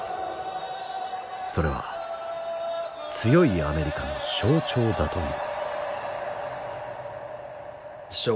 それは強いアメリカの象徴だという。